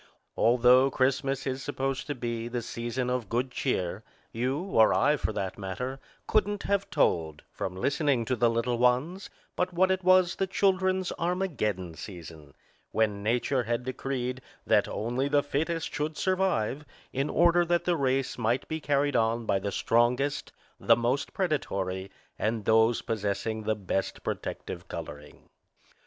Although Christmas is supposed to be the season of good cheer, you (or I, for that matter) couldn't have told, from listening to the little ones, but what it was the children's Armageddon season, when Nature had decreed that only the fittest should survive, in order that the race might be carried on by the strongest, the most predatory and those posessing the best protective coloring.